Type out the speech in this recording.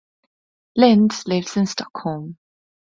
Lind lives in Stockholm.